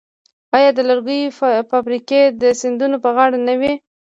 آیا د لرګیو فابریکې د سیندونو په غاړه نه وې؟